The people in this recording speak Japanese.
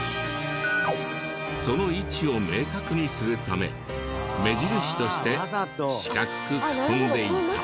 その位置を明確にするため目印として四角く囲んでいた。